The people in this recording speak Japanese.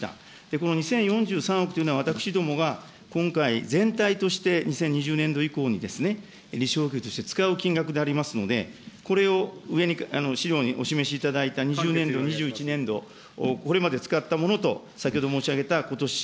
この２０４３億というのは私どもが今回、全体として２０２０年度以降に利子補給として使う金額でありますので、これを上に、資料にお示しいただいた２０年度、２１年度、これまで使ったものと、先ほど申し上げたことし